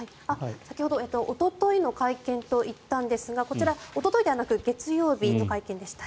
先ほどおとといの会見と言ったんですがこちら、おとといではなく月曜日の会見でした。